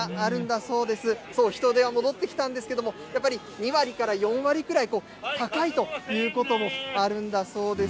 そう、人出は戻ってきたんですけれども、やっぱり２割から４割くらい、高いということもあるんだそうです。